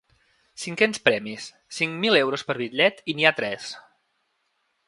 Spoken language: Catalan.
Cinquens premis: cinc mil euros per bitllet i n’hi ha tres.